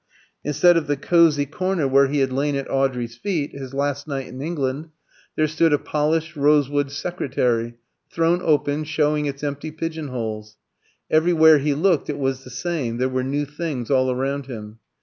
Instead of the cosy corner where he had lain at Audrey's feet his last night in England, there stood a polished rosewood secretary, thrown open, showing its empty pigeon holes. Everywhere he looked it was the same; there were new things all around him.